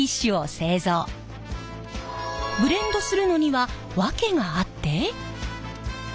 ブレンドするのには訳があって。